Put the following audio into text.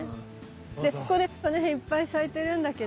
でこれこの辺いっぱい咲いてるんだけど。